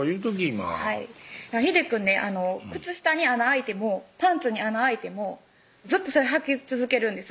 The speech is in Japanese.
今ひでくんね靴下に穴開いてもパンツに穴開いてもずっとそれはき続けるんです